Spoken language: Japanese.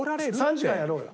３時間やろうよ。